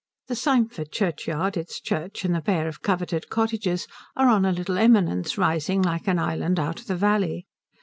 The Symford churchyard, its church, and the pair of coveted cottages, are on a little eminence rising like an island out of the valley.